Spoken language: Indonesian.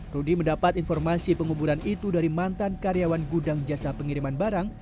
rudy mendapat informasi penguburan itu dari mantan karyawan gudang jasa pengiriman barang